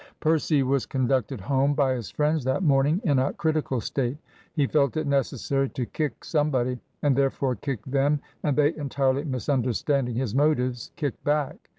Percy was conducted home by his friends that morning in a critical state. He felt it necessary to kick somebody, and therefore kicked them; and they, entirely misunderstanding his motives, kicked back.